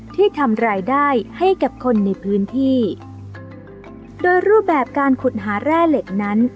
ที่ทำรายได้ให้กับคนในพื้นที่โดยรูปแบบการขุดหาแร่เหล็กนั้น